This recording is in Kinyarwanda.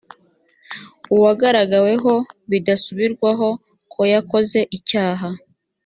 uwagaragaweho bidasubirwaho ko yakoze ibyaha